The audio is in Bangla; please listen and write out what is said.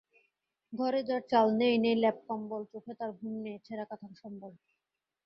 ঘরে যার চাল নেই, নেই লেপ কম্বলচোখে তাঁর ঘুম নেই, ছেঁড়া কাঁথা সম্বল।